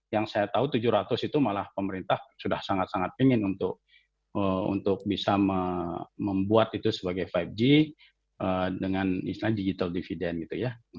yang saya tahu tujuh ratus itu malah pemerintah sudah sangat sangat ingin untuk bisa membuat itu sebagai lima g dengan istilah digital dividend gitu ya